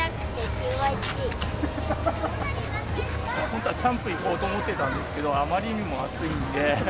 本当はキャンプ行こうと思ってたんですけど、あまりにも暑いんで。